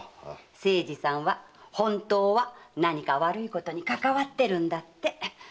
清次さんは本当は何か悪いことにかかわってるんだって。